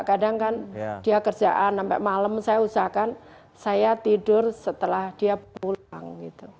kadang kan dia kerjaan sampai malam saya usahakan saya tidur setelah dia pulang